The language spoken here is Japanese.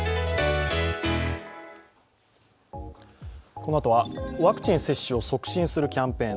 このあとはワクチン接種を促進するキャンペーン